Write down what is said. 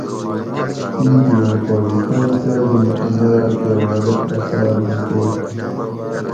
تیتی اُوں پاکستان چاجن اۤن راۤکہ غلط اثاۤر نہ چوگ تہ